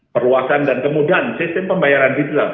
perlu akan dan kemudahan sistem pembayaran digital